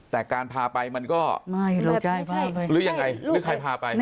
แต่การพาไปมันก็ไม่รู้หรือยังไงหรือใครพาไป